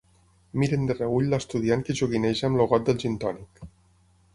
Miren de reüll l'estudiant que joguineja amb el got del gintònic.